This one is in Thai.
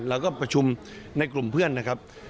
เราก็ประชุมในกลุ่มเพื่อนนะครับ